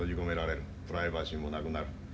プライバシーもなくなる。